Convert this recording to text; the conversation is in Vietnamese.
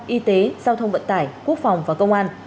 y tế giao thông vận tải quốc phòng và công an